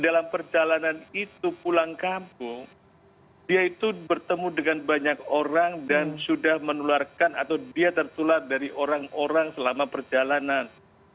dalam perjalanan itu pulang kampung dia itu bertemu dengan banyak orang dan sudah menularkan atau dia tertular dari orang orang selama perjalanan